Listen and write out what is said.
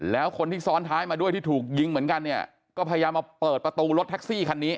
แล้วคนที่ซ้อนท้ายมาด้วยที่ถูกยิงเหมือนกันเนี่ยก็พยายามมาเปิดประตูรถแท็กซี่คันนี้